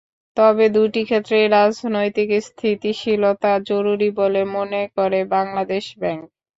তবে দুটি ক্ষেত্রেই রাজনৈতিক স্থিতিশীলতা জরুরি বলে মনে করে বাংলাদেশ ব্যাংক।